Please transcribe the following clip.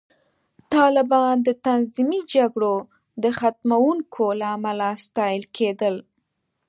طالبان د تنظیمي جګړو د ختموونکو له امله ستایل کېدل